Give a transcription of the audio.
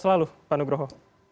selalu pak nugroho